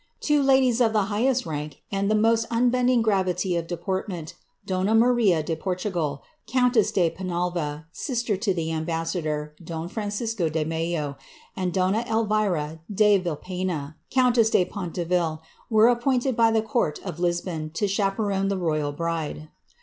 Two ladies of the highest rank and most unbending gravity of deportment* donnt ^laria de Portugal, countess dc Penalva, sister to the ambassador, don Francisco de Mello, and donna Elvira dc Vilpena, countess de PoDterel, were appointed by the court of Lisbon to chaperon the royal bfide.